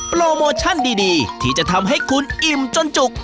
โปรโมชั่นดีที่จะทำให้คุณอิ่มจนจุก